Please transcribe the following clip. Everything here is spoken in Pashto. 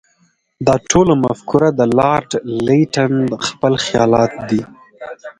دا ټوله مفکوره د لارډ لیټن خپل خیالات دي.